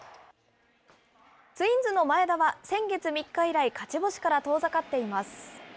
ツインズの前田は、先月３日以来、勝ち星から遠ざかっています。